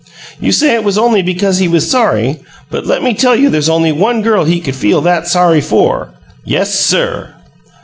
You say it was only because he was sorry, but let me tell you there's only ONE girl he could feel THAT sorry for! Yes, sir!"